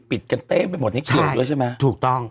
เปียงเต้ไปหมดนี้ใช่ด้วยใช่ไหมถูกต้อง